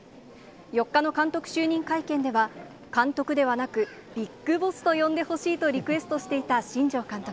４日の監督就任会見では、監督ではなく、ビッグボスと呼んでほしいとリクエストしていた新庄監督。